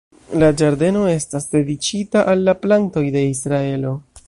La ĝardeno estas dediĉita al la plantoj de Israelo.